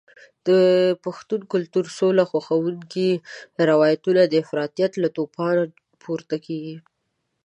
د پښتون کلتور سوله خوښونکي روایتونه د افراطیت له توپانه پورته کېږي.